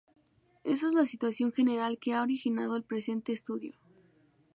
Esa es la situación general que ha originado el presente estudio.